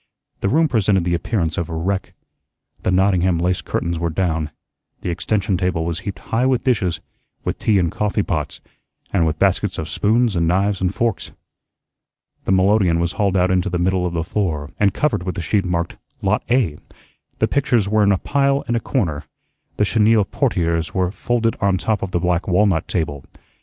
The room presented the appearance of a wreck. The Nottingham lace curtains were down. The extension table was heaped high with dishes, with tea and coffee pots, and with baskets of spoons and knives and forks. The melodeon was hauled out into the middle of the floor, and covered with a sheet marked "Lot A," the pictures were in a pile in a corner, the chenille portieres were folded on top of the black walnut table.